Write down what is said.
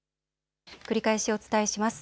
繰り返しお伝えします。